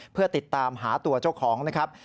เพื่อติดตามหาตัวเจ้าของนะครับ